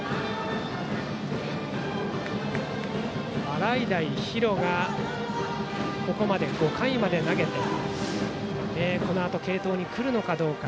洗平比呂がここまで５回まで投げてこのあと継投にくるかどうか。